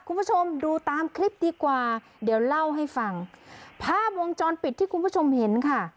คุณผู้ชมดูตามคลิปดีกว่าเดี๋ยวเล่าให้ฟังภาพวงจรปิดที่คุณผู้ชมเห็นค่ะ